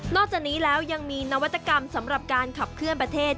จากนี้แล้วยังมีนวัตกรรมสำหรับการขับเคลื่อนประเทศ